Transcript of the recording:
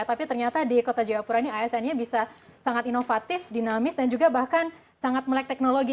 tapi ternyata di kota jayapura ini asn nya bisa sangat inovatif dinamis dan juga bahkan sangat melek teknologi